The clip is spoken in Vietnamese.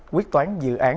quyết toán dự án